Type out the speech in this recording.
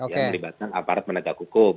yang melibatkan aparat penegak hukum